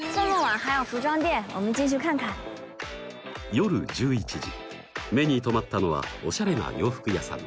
夜１１時目に留まったのはオシャレな洋服屋さん。